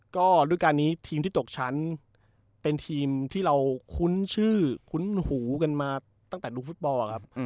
ก็รูปการณ์นี้ทีมที่ตกชั้นเป็นทีมที่เราคุ้นชื่อคุ้นหูกันมาตั้งแต่ลูกฟุตบอลครับ